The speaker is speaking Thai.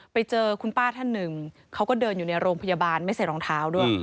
ไปเจอคุณป้าท่านหนึ่งเขาก็เดินอยู่ในโรงพยาบาลไม่ใส่รองเท้าด้วย